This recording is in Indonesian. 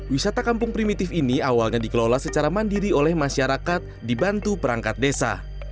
wisata kampung primitif ini awalnya dikelola secara mandiri oleh masyarakat dibantu perangkat desa